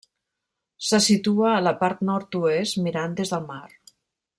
Se situa a la part nord-oest mirant des del mar.